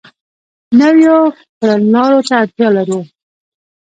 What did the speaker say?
نویو کړنلارو ته اړتیا لرو.